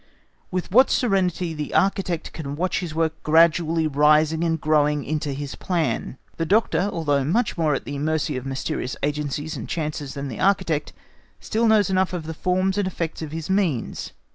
With what serenity the architect can watch his work gradually rising and growing into his plan. The doctor although much more at the mercy of mysterious agencies and chances than the architect, still knows enough of the forms and effects of his means.